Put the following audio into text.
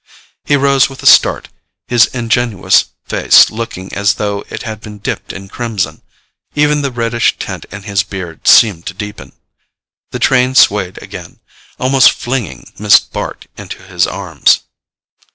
He rose with a start, his ingenuous face looking as though it had been dipped in crimson: even the reddish tint in his beard seemed to deepen. The train swayed again, almost flinging Miss Bart into his arms.